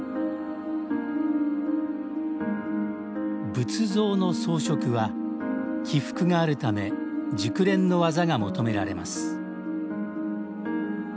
仏像の装飾は起伏があるため熟練の技が求められます